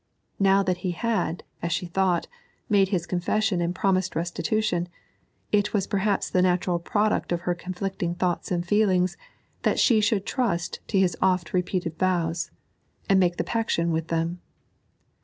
Now that he had, as she thought, made his confession and promised restitution, it was perhaps the natural product of her conflicting thoughts and feelings that she should trust to his oft repeated vows, and make the paction with him.